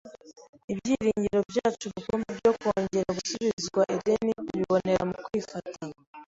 ibyiringiro byacu rukumbi byo kongera gusubizwa Edeni tubibonera mu kwifata